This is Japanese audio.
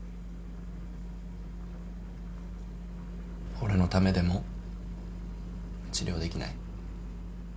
俺のためでも治療できない？